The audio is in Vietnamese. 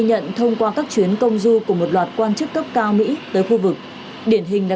nhận thông qua các chuyến công du của một loạt quan chức cấp cao mỹ tới khu vực điển hình đã